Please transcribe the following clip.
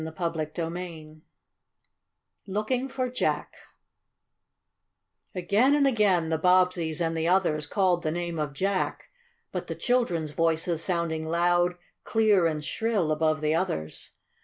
CHAPTER XXI LOOKING FOR JACK Again and again the Bobbseys and the others called the name of Jack, but the children's voices sounding loud, clear and shrill above the others.